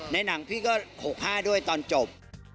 ในหนังพี่ก็๖๕ด้วยตอนจบ